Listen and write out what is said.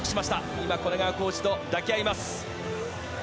今、古根川コーチと抱き合います。